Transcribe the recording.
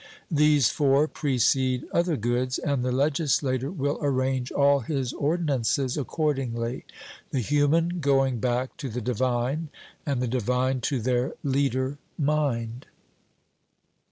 These four precede other goods, and the legislator will arrange all his ordinances accordingly, the human going back to the divine, and the divine to their leader mind.